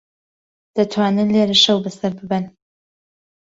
دەتوانن لێرە شەو بەسەر ببەن.